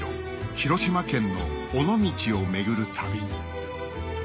広島県の尾道を巡る旅